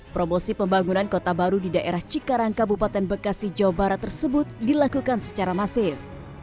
promosi pembangunan kota baru di daerah cikarang kabupaten bekasi jawa barat tersebut dilakukan secara masif